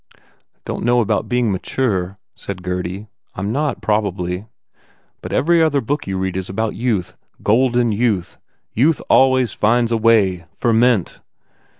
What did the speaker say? "Don t know about being mature," said Gurdy, "I m not, probably. But every other book you read is all about youth golden youth youth always finds a way ferment.